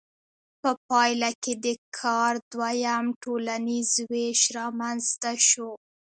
په پایله کې د کار دویم ټولنیز ویش رامنځته شو.